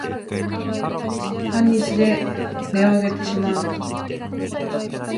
半日で音をあげてしまう